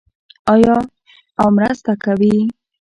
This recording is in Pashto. آیا او مرسته کوي؟